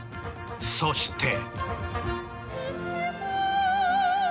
そして。